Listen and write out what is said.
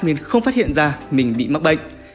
nên không phát hiện ra mình bị mắc bệnh